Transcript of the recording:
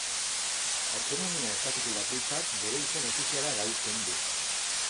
Autonomia estatutu bakoitzak bere izen ofiziala arautzen du.